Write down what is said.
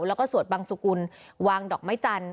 แล้วก็สวดบังสุกุลวางดอกไม้จันทร์